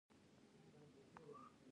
ایا ستاسو عدالت به تامین نه شي؟